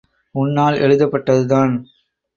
உன்னால் எழுதப் பட்டதுதான்.